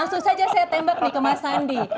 langsung saja saya tembak nih ke mas sandi